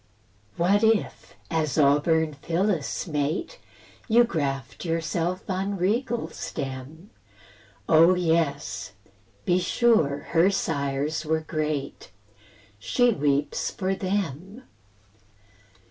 What if, as auburn Phyllis' mate, You graft yourself on regal stem? Oh yes! be sure her sires were great; She weeps for THEM.